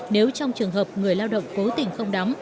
nếu trong trường hợp người lao động cố tình không đóng